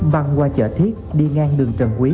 băng qua chợ thiết đi ngang đường trần quý